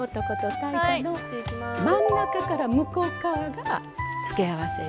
真ん中から向こう側が付け合わせよ。